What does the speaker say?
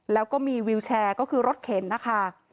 แล้วก็มีวิวแชร์ก็คือรถเข็นนะคะ